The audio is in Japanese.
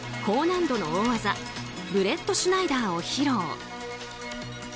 高難度の大技ブレットシュナイダーを披露。